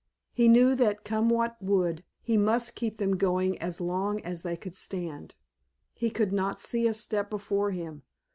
He knew that come what would he must keep them going as long as they could stand. He could not see a step before him.